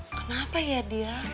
kenapa ya dia